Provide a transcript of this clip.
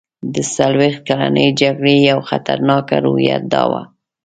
د څلوېښت کلنې جګړې یوه خطرناکه روحیه دا وه.